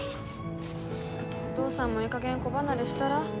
お父さんもいいかげん子離れしたら？